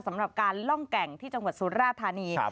สำหรับการล่องแก่งที่จังหวัดสุราธานี